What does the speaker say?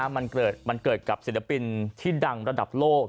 มันเกิดกับศิลปินที่ดังระดับโลก